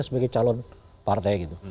sebagai calon partai gitu